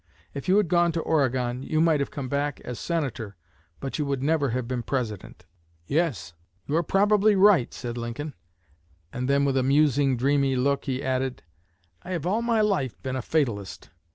If you had gone to Oregon you might have come back as Senator, but you would never have been President." "Yes, you are probably right," said Lincoln; and then, with a musing, dreamy look, he added: "I have all my life been a fatalist.